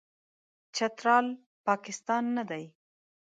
چترال، پاکستان نه دی.